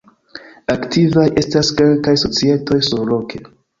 Aktivaj estas kelkaj societoj surloke.